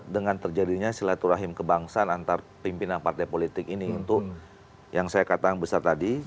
dengan terjadinya silaturahim kebangsaan antar pimpinan partai politik ini untuk yang saya katakan besar tadi